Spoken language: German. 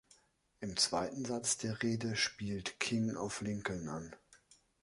Im zweiten Satz der Rede spielt King auf Lincoln an.